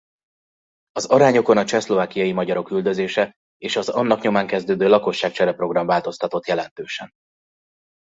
Az arányokon a csehszlovákiai magyarok üldözése és az annak nyomán kezdődő lakosságcsere-program változtatott jelentősen.